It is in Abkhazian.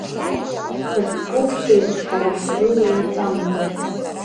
Ҳхаҵкы уцеит, ҳара ҳзы уеиҵамзар.